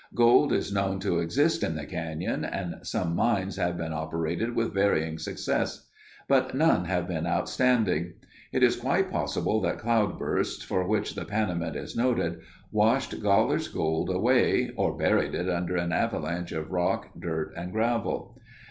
Gold is known to exist in the canyon and some mines have been operated with varying success, but none have been outstanding. It is quite possible that cloudbursts for which the Panamint is noted washed Goller's gold away or buried it under an avalanche of rock, dirt, and gravel.